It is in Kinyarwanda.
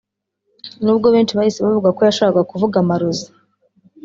n’ubwo benshi bahise bavuga ko yashakaga kuvuga amarozi